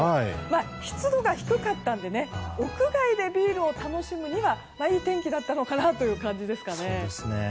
湿度が低かったので屋外でビールを楽しむにはいい天気だったのかなという感じですかね。